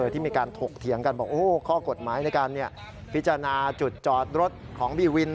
ที่มีการถกเถียงกันบอกข้อกฎหมายในการพิจารณาจุดจอดรถของบีวิน